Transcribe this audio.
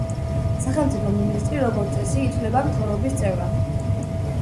სახელმწიფო მინისტრი, როგორც წესი, ითვლება მთავრობის წევრად.